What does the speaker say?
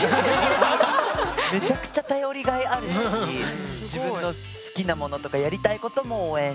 めちゃくちゃ頼りがいあるし自分の好きなものとかやりたいことも応援してくれて。